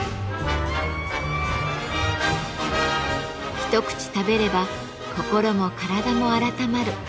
一口食べれば心も体もあらたまる。